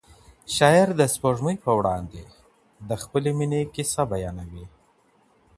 شاعر د سپوږمۍ په وړاندې د خپلې مینې کیسه بیانوي.